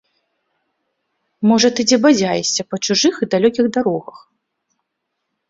Можа, ты дзе бадзяешся па чужых і далёкіх дарогах!